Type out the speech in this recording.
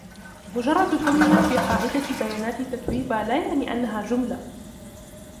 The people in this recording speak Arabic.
مجرد كونها في قاعدة بيانات تتويبا لا يعني أنها جملةٌ.